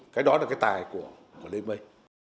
cái đó là cái tài của lê mây